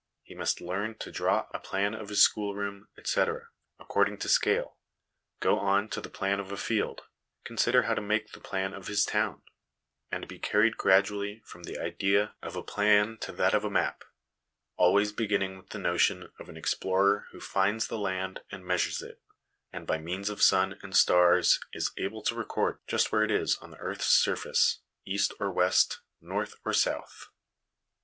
He must learn to draw a plan of his schoolroom, etc., according to scale, go on to the plan of a field, consider how to make the plan of his town, and be carried gradually from the idea of a plan to that of a map ; always beginning with the notion of an explorer who finds the land and measures it, and by means of sun and stars, is able to record just where it is on the earth's surface, east or west, north or south.